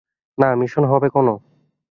না, মিশন হবে কোনো।